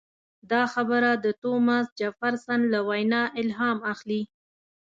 دا خبره د توماس جفرسن له وینا الهام اخلي.